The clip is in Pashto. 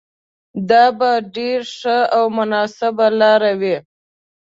دا به ډېره ښه او مناسبه لاره وي.